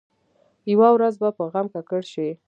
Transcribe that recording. یوه ورځ به په غم ککړ شي.